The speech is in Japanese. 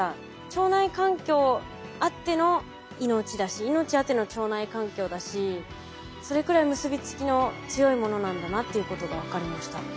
腸内環境あっての命だし命あっての腸内環境だしそれくらい結び付きの強いものなんだなっていうことが分かりました。